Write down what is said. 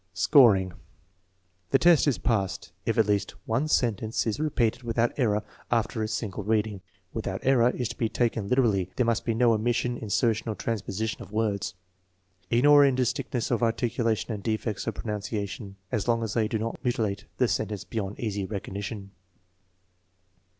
Scoring. The test is passed if at least one sentence is repeated without error after a single reading. " Without error " is to be taken literally; there must be no omission, insertion, or transposition of words. Ignore indistinctness of articulation and defects of pronunciation as long as they do not mutilate the sentence beyond easy recognition.